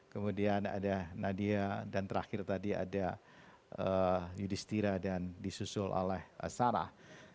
kemudian ada nadia dan terakhir tadi ada yudhistira dan disusul oleh sarah